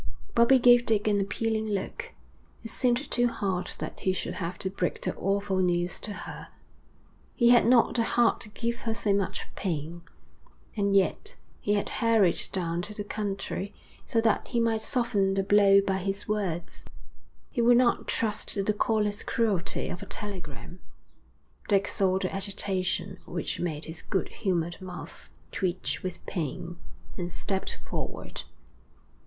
Bobbie gave Dick an appealing look. It seemed too hard that he should have to break the awful news to her. He had not the heart to give her so much pain. And yet he had hurried down to the country so that he might soften the blow by his words: he would not trust to the callous cruelty of a telegram. Dick saw the agitation which made his good humoured mouth twitch with pain, and stepped forward.